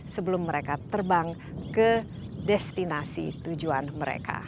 sebelum mereka terbang ke destinasi tujuan mereka